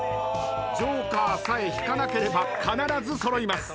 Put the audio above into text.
ジョーカーさえ引かなければ必ず揃います。